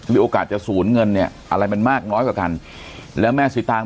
โอกาสจะศูนย์เงินเนี่ยอะไรมันมากน้อยกว่ากันแล้วแม่สีตาง